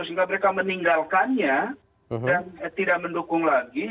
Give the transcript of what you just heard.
sehingga mereka meninggalkannya dan tidak mendukung lagi